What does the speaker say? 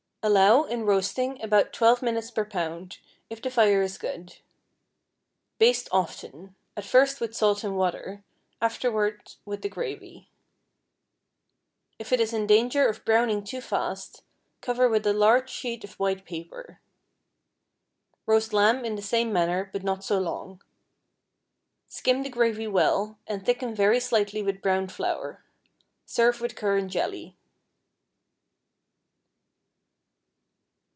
Allow, in roasting, about twelve minutes per pound, if the fire is good. Baste often—at first with salt and water, afterward with the gravy. If it is in danger of browning too fast, cover with a large sheet of white paper. Roast lamb in the same manner, but not so long. Skim the gravy well, and thicken very slightly with browned flour. Serve with currant jelly.